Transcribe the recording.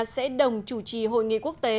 sẽ đồng chủ trì hội nghị quốc tế